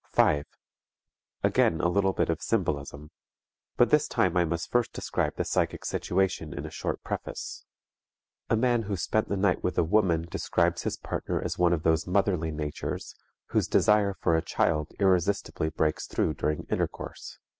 5. Again a little bit of symbolism. But this time I must first describe the psychic situation in a short preface. A man who spent the night with a woman describes his partner as one of those motherly natures whose desire for a child irresistibly breaks through during intercourse.